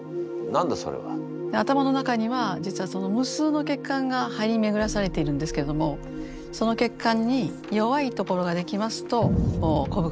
頭の中には実は無数の血管が張り巡らされているんですけどもその血管に弱い所ができますとこぶができる。